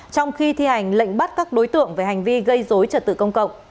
trong khi thi hành lệnh bắt các đối tượng về hành vi gây dối trật tự công cộng